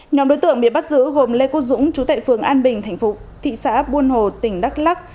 nhóm đối tượng bị bắt giữ gồm lê cô dũng trú tại phường an bình thành phố thị xã buôn hồ tỉnh đắk lắc